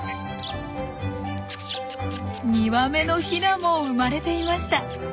２羽目のヒナも生まれていました。